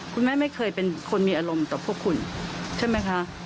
คุณแม่ไม่เคยเป็นคนมีอารมณ์ต่อพวกคุณใช่ไหมคะ